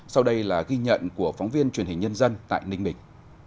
sau đây là ghi nhận của phóng viên truyền hình nhân dân tại ninh bình